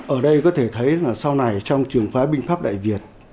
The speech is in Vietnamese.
ở đây có thể thấy là sau này trong trường phái binh pháp đại việt